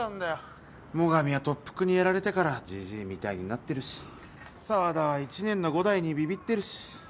最上は特服にやられてからジジイみたいになってるし沢田は１年の伍代にビビってるし。